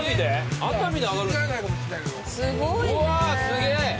すごいね。